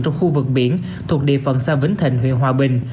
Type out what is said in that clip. trong khu vực biển thuộc địa phận xã vĩnh thịnh huyện hòa bình